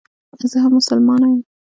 زه هم مسلمانه یم.